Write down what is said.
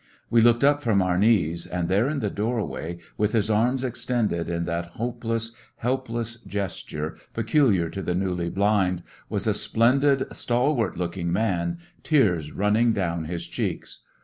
"We looked up from our knees, and there in the doorway, with his arms extended in that hope less, helpless gesture peculiar to the newly blind, was a splendid, stalwart looking man, tears running down his cheeks.